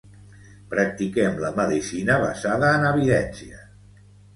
Practiquem la medicina basada en evidències.